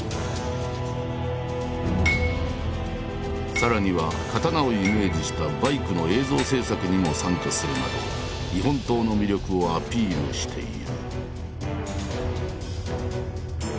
さらには刀をイメージしたバイクの映像制作にも参加するなど日本刀の魅力をアピールしている。